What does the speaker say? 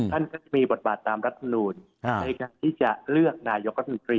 ท่านก็จะมีบทบาทตามรัฐมนูลในการที่จะเลือกนายกรัฐมนตรี